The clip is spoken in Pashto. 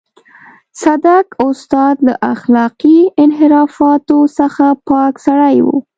صدک استاد له اخلاقي انحرافاتو څخه پاک سړی و.